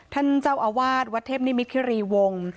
ท่านเจ้าอวาสวัฒนิมิตรคิรีวงศ์